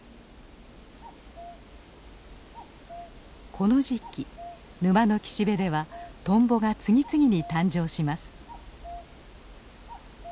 この時期沼の岸辺ではトンボが次々に誕生します。